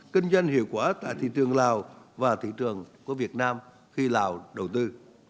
kinh doanh hiệu quả tại thị trường lào và thị trường của việt nam khi lào đầu tư